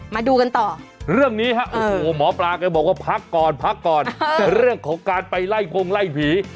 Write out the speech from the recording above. มาดูกันต่อเรื่องนี้ฮะโอ้โหหมอปลาแกบอกว่าพักก่อนพักก่อนแต่เรื่องของการไปไล่กงไล่ผี